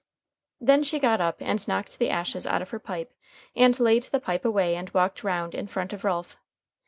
Then she got up and knocked the ashes out of her pipe, and laid the pipe away and walked round In front of Ralph.